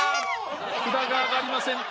札が上がりません。